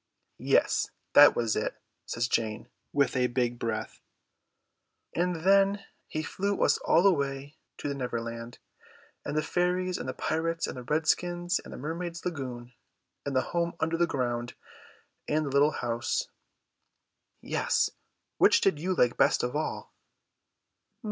'" "Yes, that was it," says Jane, with a big breath. "And then he flew us all away to the Neverland and the fairies and the pirates and the redskins and the mermaids' lagoon, and the home under the ground, and the little house." "Yes! which did you like best of all?"